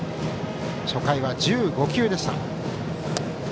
初回は１５球でした。